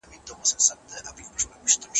د دین اصول موږ سره مرسته کوي چي مشکلات اوږد سي.